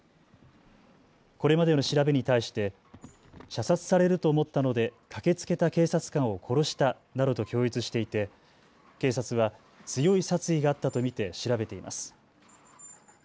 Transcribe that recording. これまでの調べに対して射殺されると思ったので駆けつけた警察官を殺したなどと供述していて警察は強い殺意があったと見て調べています。